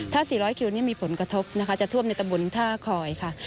ถ้า๔๐๐คิวนี่มีผลกระทบนะคะจะท่วมในตะบนท่าคอยค่ะ